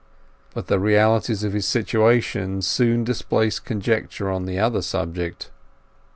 But the realities of his situation soon displaced conjecture on the other subject.